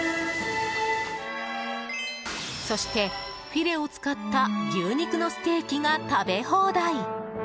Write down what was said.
そして、フィレを使った牛肉のステーキが食べ放題。